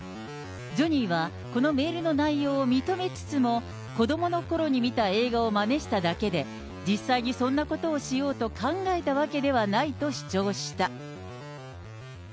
ジョニーはこのメールの内容を認めつつも、子どものころに見た映画をまねしただけで、実際にそんなことをしようと考えたわけではないと主張した。